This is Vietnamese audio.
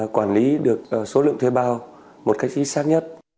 quản lý được số lượng thuê bao một cách chính xác nhất